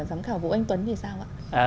giám khảo vũ anh tuấn thì sao ạ